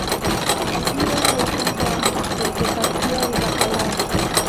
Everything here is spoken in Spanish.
Allí era el puto amo, el que partía el bacalao